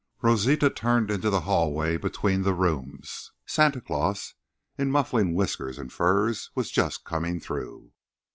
Rosita turned into the hallway between the rooms. Santa Claus, in muffling whiskers and furs, was just coming through.